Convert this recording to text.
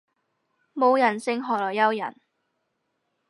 冇人性何來有人